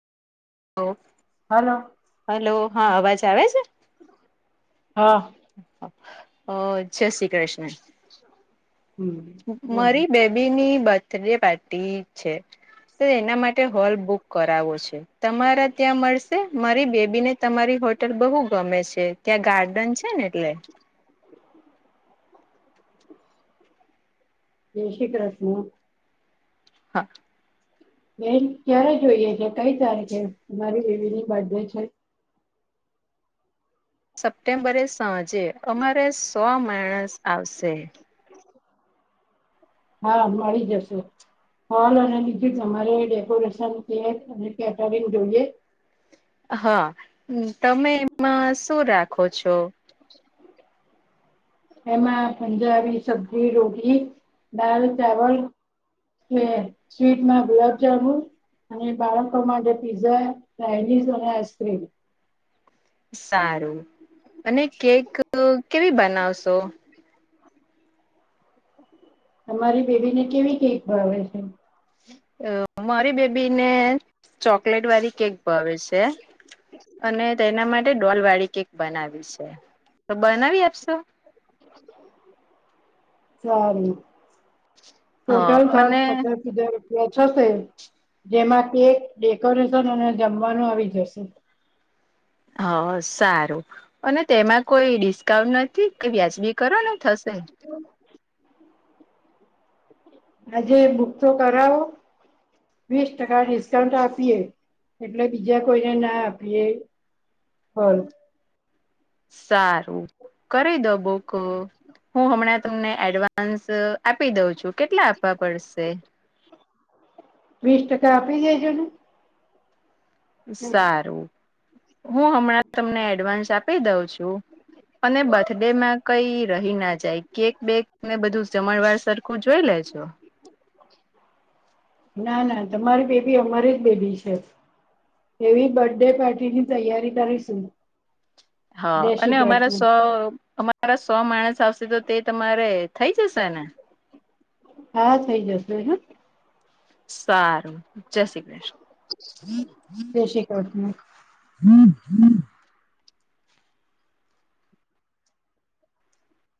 Hello. Hello હા અવાજ આવે છે. હા. અ જય શ્રી કૃષ્ણ. [inaudible] બોલો મારી બેબીની બર્થડે પાર્ટી છે. તો એના માટે હોલ બુક કરાવો છે તમારા ત્યાં મળશે મારી બેબીને તમારી હો. [unintelligible] બહુ ગમે છે ત્યાં ગાર્ડન છે ને એટલે જય શ્રી કૃષ્ણ હા. બેન ક્યારે જોઈએ છે કઈ તારીખે મારી બેવી ની બર્ડે છે. સપ્ટેમ્બરે સાંજે અમારે સો માણસ આવશે હા મળી જશે. હોલ અને લીધું તમારે ડેકોરેશન કે અને કેટરિંગ જોઈએ? હા તમે એમાં શું રાખો છો? એમાં પંજાબી સબ્જી, રોટી, દાલ, ચાવલ કે સ્વીટમાં ગુલાબજામુન. અને બાળકો માટે પીઝા, ચાઇનીઝ અને આઈસ્ક્રીમ. સારું અને કેક કેવી બનાવશો? તમારી બેબીને કેવી કેક ભાવે છે? મારી બેબી ને ચોકલેટ વાળી કેક ભાવે છે. અને તેના માટે ડોલ વાળી કેક બનાવી છે તો બનાવી આપશો? સારું. હ ટોટલ ખર્ચ અને પચાસ હજાર થશે. જેમાં કેક, ડેકોરેશન અને જમવાનું આવી જશે. હ સારું. અને તેમાં કોઈ ડિસ્કાઉન્ટ નથી કે વ્યાજબી કરો ને થશે? હ આજે બુક કરાવો. વીસ ટકા ડિસ્કાઉન્ટ આપીએ એટલે બીજા કોઈને ના આપીએ. હ [inaudible] સારું કરી દો બુક. હું હમણાં તમને એડવાન્સ આપી દઉં છું કેટલા આપવા પડશે? વીસ ટકા આપી દેજો ને. સારું હું હમણાં તમને એડવાન્સ આપી દઉં છું. અને બર્થડે મા કઈ રહી ના જાય કેક બેગ ને બધું જમણવાર સરખું જોઈ લેજો. ના ના તમારી બેબી અમારી જ બેબી છે. એવી બર્થ ડે પાર્ટીની તૈયારી કરીશું હા જય શ્રી અને અમારા કૃષ્ણ સો તારા સો માણસ આવશે તો તે તમારે થઈ જશે ને! હા થઈ જશે હ. સારું જય શ્રી કૃષ્ણ. હમ હ